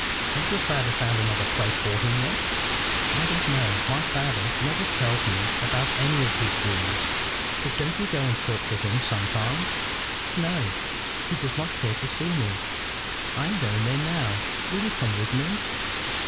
"Has your father found another place for him yet?" "I don't know. My father never tells me about any of his doings." "But don't you go and talk to him, sometimes?" "No. He does not care to see me." "I am going there now: will you come with me?"